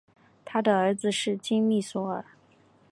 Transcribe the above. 他的儿子是金密索尔。